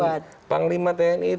bukan panglima tni itu